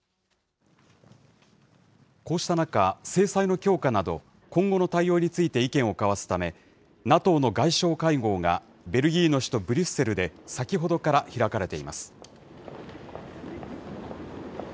こうした中、制裁の強化など、今後の対応について意見を交わすため、ＮＡＴＯの外相会合がベルギーの首都ブリュッセルで先ほどから開かれています。